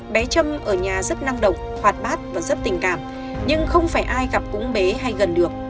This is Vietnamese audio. bé trâm ở nhà rất năng động hoạt bát và rất tình cảm nhưng không phải ai gặp cũng bé hay gần được